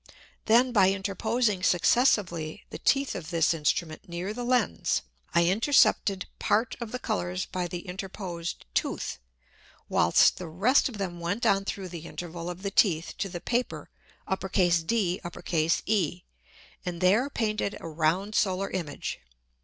Then by interposing successively the Teeth of this Instrument near the Lens, I intercepted Part of the Colours by the interposed Tooth, whilst the rest of them went on through the Interval of the Teeth to the Paper DE, and there painted a round Solar Image.